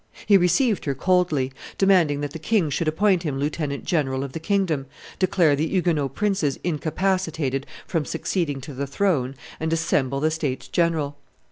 He received her coldly, demanding that the king should appoint him lieutenant general of the kingdom, declare the Huguenot princes incapacitated from succeeding to the throne, and assemble the states general.